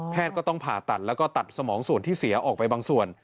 ก็ต้องผ่าตัดแล้วก็ตัดสมองส่วนที่เสียออกไปบางส่วน